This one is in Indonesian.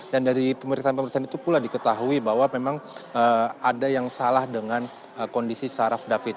dan dari pemeriksaan pemeriksaan itu pula diketahui bahwa memang ada yang salah dengan kondisi syaraf david